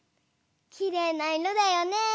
きれいないろだよね。